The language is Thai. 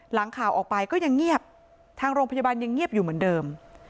หลังข่าวออกไปก็ยังเงียบทางโรงพยาบาลยังเงียบอยู่เหมือนเดิม